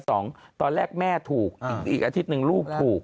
ตอนแรกแม่ถูกอีกอาทิตย์หนึ่งลูกถูก